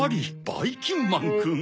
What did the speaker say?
ばいきんまんくん。